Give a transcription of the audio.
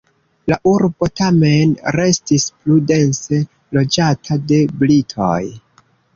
La urbo tamen restis plu dense loĝata de britoj.